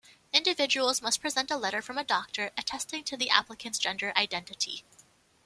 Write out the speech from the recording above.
Individuals must present a letter from a doctor attesting to the applicant's gender identity.